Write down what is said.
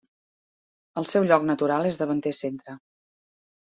El seu lloc natural és davanter centre.